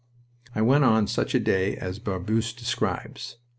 I went on such a day as Barbusse describes.